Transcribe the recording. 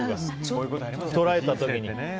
捉えた時に。